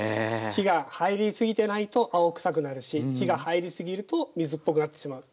火が入りすぎてないと青臭くなるし火が入りすぎると水っぽくなってしまう。